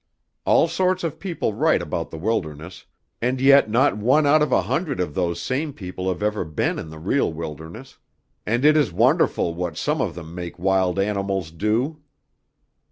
All sorts of people write about the wilderness, and yet not one out of a hundred of those same people have ever been in the real wilderness. And it is wonderful what some of them make wild animals do!"